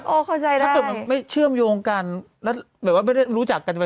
เข้าใจนะถ้าเกิดมันไม่เชื่อมโยงกันแล้วแบบว่าไม่ได้รู้จักกัน